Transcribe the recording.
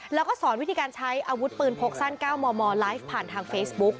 แล้วก็สอนวิธีการใช้อาวุธปืนพกสั้น๙มมไลฟ์ผ่านทางเฟซบุ๊ก